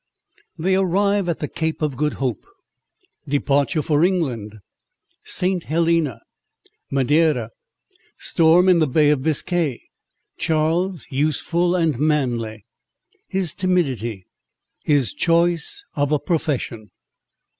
They arrive at the Cape of Good Hope—Departure for England—St. Helena—Madeira—Storm in the Bay of Biscay—Charles useful and manly—His Timidity—His Choice of a Profession.